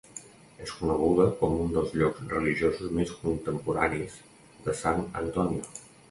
És coneguda com un dels llocs religiosos més contemporanis de San Antonio.